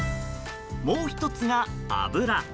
もう１つが油。